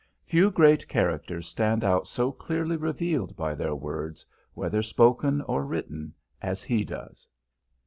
Few great characters stand out so clearly revealed by their words, whether spoken or written, as he does.